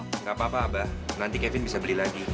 tidak apa apa abah nanti kevin bisa beli lagi